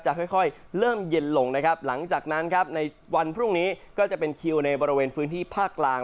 ค่อยเริ่มเย็นลงนะครับหลังจากนั้นครับในวันพรุ่งนี้ก็จะเป็นคิวในบริเวณพื้นที่ภาคกลาง